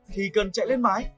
thì cần chạy lên mái